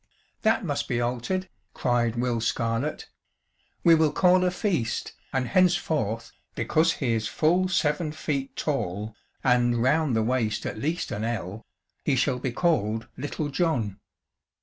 "That must be altered," cried Will Scarlett; "we will call a feast, and henceforth, because he is full seven feet tall and round the waist at least an ell, he shall be called Little John."